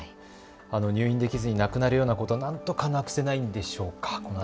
入院できずに亡くなるようなことなんとかなくせないんでしょうか。